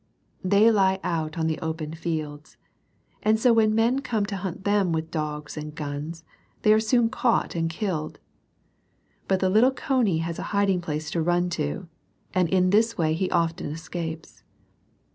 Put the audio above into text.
They lie out on the open fields. And so when men come to hunt them with dogs and guns, they are soon caught and killed. But the little cony has a hiding place to run to, and in this way he often escapes.